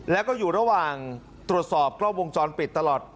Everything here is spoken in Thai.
แล้วก็อยู่ระหว่างตรวจสอบกล้องวงจรปิดตลอด